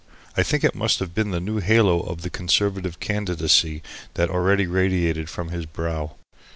I think it must have been the new halo of the Conservative candidacy that already radiated from his brow.